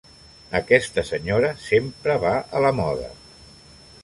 Aquesta senyora sempre va a la moda!